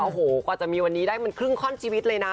โอ้โหกว่าจะมีวันนี้ได้มันครึ่งข้อนชีวิตเลยนะ